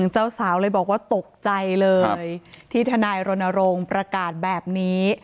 เจ้าสาวเลยบอกว่าตกใจเลยที่ทนายรณรงค์ประกาศแบบนี้